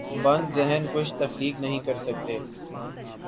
بند ذہن کچھ تخلیق نہیں کر سکتے۔